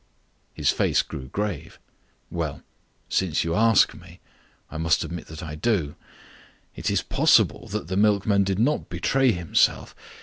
His face grew grave. "Well, since you ask me, I must admit that I do. It is possible that the milkman did not betray himself.